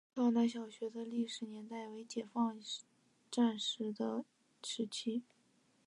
道南小学的历史年代为解放战争时期。